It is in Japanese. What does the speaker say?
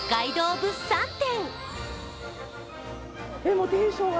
物産展。